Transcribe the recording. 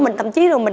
mình tậm chí rồi